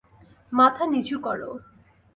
মাথা নিচু কর!